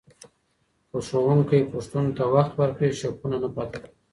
که ښوونکی پوښتنو ته وخت ورکړي، شکونه نه پاته کېږي.